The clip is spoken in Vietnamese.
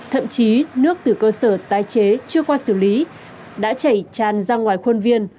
thậm chí nước từ cơ sở tái chế chưa qua xử lý đã chảy tràn ra ngoài khuôn viên